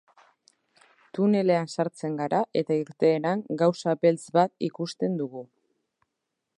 Tunelean sartzen gara eta irteeran gauza beltz bat ikusten dugu.